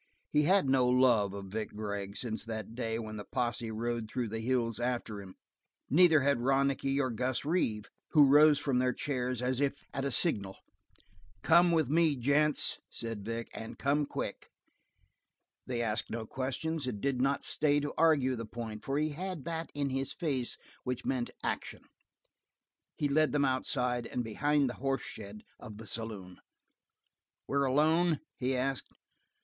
He had no love for Vic Gregg since that day when the posse rode through the hills after him; neither had Ronicky or Gus Reeve, who rose from their chairs as if at a signal. "Come with me, gents," said Vic. "An' come quick!" They asked no questions and did not stay to argue the point for he had that in his face which meant action. He led them outside, and behind the horse shed of the saloon. "We're alone?" he asked.